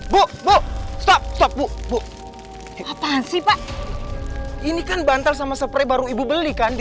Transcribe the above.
bu bu stop stop bu bu siapa sih pak ini kan bantal sama spray baru ibu belikan di